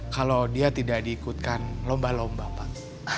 kalau dia tidak diikutkan lomba lomba pak